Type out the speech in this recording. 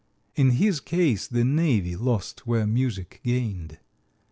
In his case the Navy lost where music gained.